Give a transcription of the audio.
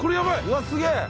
うわっすげえ！